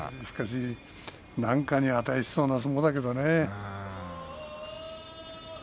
確かに何かに値しそうな相撲だけどもね。